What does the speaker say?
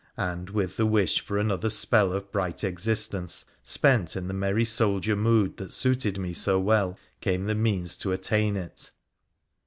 And with tbe wish for another spell of bright existence, spent in the merry soldier mood that suited me so well, came the means to attain it.